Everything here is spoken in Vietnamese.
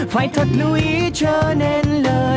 phải thật lưu ý cho nên lỡ lạc